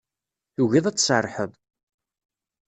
Tugiḍ ad tserrḥeḍ.